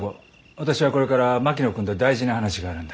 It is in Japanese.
私はこれから槙野君と大事な話があるんだ。